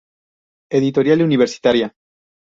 Editorial Universitaria.